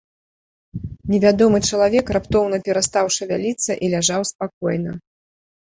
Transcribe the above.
Невядомы чалавек раптоўна перастаў шавяліцца і ляжаў спакойна.